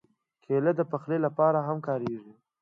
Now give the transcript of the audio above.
کېله د پخلي لپاره هم کارېږي.